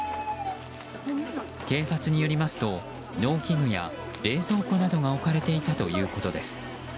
警察によりますと農機具や冷蔵庫などが置かれていたということです。